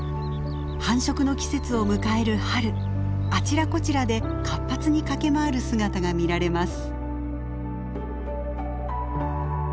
繁殖の季節を迎える春あちらこちらで活発に駆け回る姿が見られます。